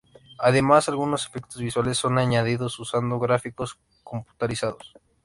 Además, algunos efectos visuales son añadidos usando gráficos computarizados.